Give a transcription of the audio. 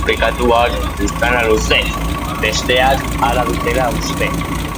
Gure katuak buztana luze, besteek hala dutela uste.